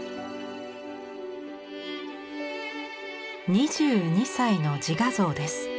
２２歳の自画像です。